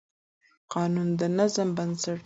قانون د نظم بنسټ دی.